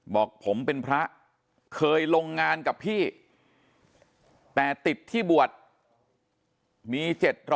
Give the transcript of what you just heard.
บอกผมเป็นพระเคยลงงานกับพี่แต่ติดที่บวชมี๗๐๐